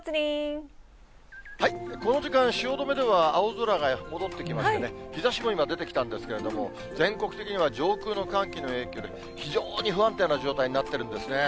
この時間、汐留では青空が戻ってきましてね、日ざしも今、出てきたんですけれども、全国的には上空の寒気の影響で、非常に不安定な状態になっているんですね。